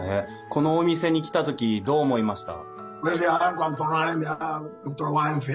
このお店に来た時どう思いました？